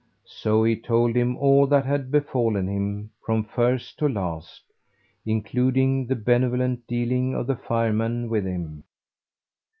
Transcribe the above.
So he told him all that had befallen him from first to last, including the benevolent dealing of the Fireman with him.